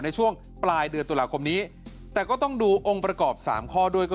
ในช่วงปลายเดือนตุลาคมนี้แต่ก็ต้องดูองค์ประกอบ๓ข้อด้วยก็